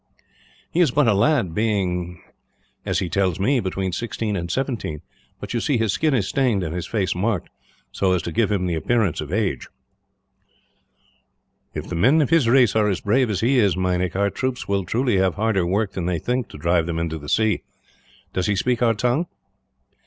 "He is but a lad, being as he tells me between sixteen and seventeen; but you see his skin is stained, and his face marked, so as to give him the appearance of age." "If the men of his race are as brave as he is, Meinik, our troops will truly have harder work than they think to drive them into the sea. Does he speak our tongue?"